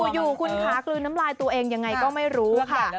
อยู่คุณขากลืนน้ำลายตัวเองยังไงก็ไม่รู้ค่ะ